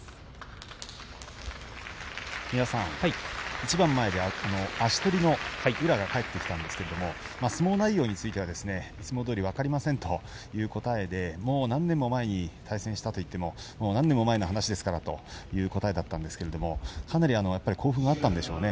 一番前で足取りの宇良が帰ってきたんですけど相撲内容についてはいつもどおり分かりませんという答えで、もう何年も前に対戦したと言ってももう何年も前の話ですからという答えだったんですけれどもかなり興奮があったんでしょうね